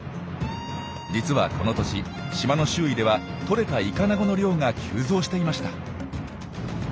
実はこの年島の周囲ではとれたイカナゴの量が急増していました。